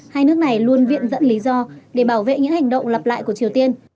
hai nước này luôn viện dẫn lý do để bảo vệ những hành động lặp lại của triều tiên